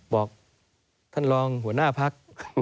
บอกท่านรองหัวหน้าพัก